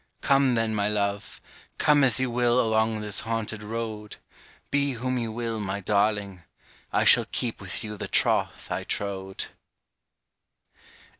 Come then, my love, come as you will Along this haunted road, Be whom you will, my darling, I shall Keep with you the troth I trowed.